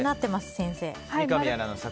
先生。